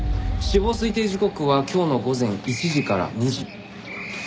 死亡推定時刻は今日の午前１時から２時。